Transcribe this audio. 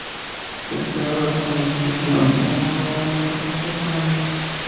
Se esperaba la composición de una obra de importancia por año.